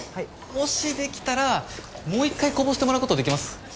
もしできたらもう一回こぼしてもらうことできます？